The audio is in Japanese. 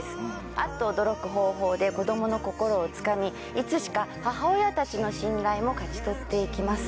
あっと驚く方法で子供の心をつかみいつしか母親たちの信頼も勝ち取って行きます。